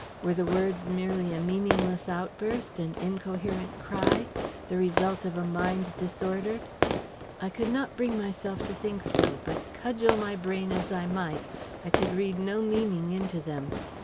Were the words merely a meaningless outburst, an incoherent cry, the result of a mind disordered? I could not bring myself to think so, but cudgel my brain as I might, I could read no meaning into them.